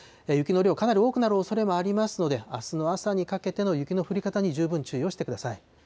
雪の量、かなり多くなるおそれもありますので、あすの朝にかけての雪の降り方に十分注意をしてください。